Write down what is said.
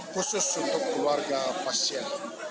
khusus untuk keluarga pasien